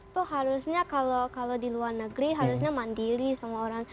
tuh harusnya kalau di luar negeri harusnya mandiri sama orang